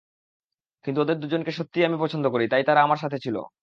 কিন্তু ওদের দুজনকে সত্যিই আমি পছন্দ করি, তাই তারা আমার সাথে ছিল।